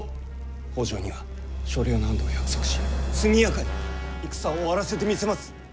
北条には所領の安堵を約束し速やかに戦を終わらせてみせます！